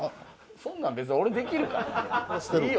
そんなん別に俺できるからいいよ。